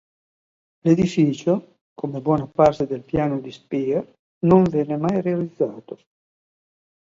L'edificio, come buona parte del piano di Speer, non venne mai realizzato.